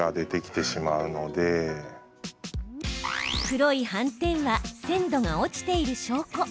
黒い斑点は鮮度が落ちている証拠。